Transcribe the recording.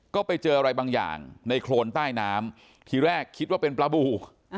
ก็ไปเจออะไรบางอย่างในโครนใต้น้ำทีแรกคิดว่าเป็นปลาบู